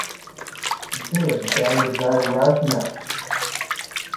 They were designed by Ralph Knott.